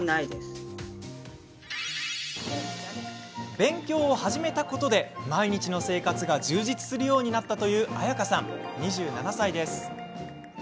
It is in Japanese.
勉強を始めたことで毎日の生活が充実するようになったというあやかさん、２７歳です。